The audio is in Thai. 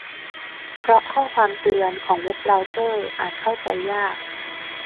เพราะข้อความเตือนของเว็บเบราว์เซอร์อาจเข้าใจยาก